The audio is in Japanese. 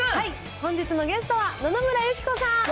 本日のゲストは野々村友紀子さん。